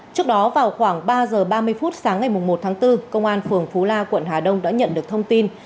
trước đó vào khoảng ba h ba mươi phút sáng ngày một tháng bốn công an phường phú la quận hà đông đã nhận được thông tin